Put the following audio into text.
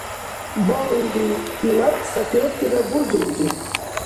Балулри, илаб сапертира бузулри.